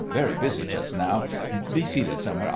Very busy, just now. Be seated somewhere.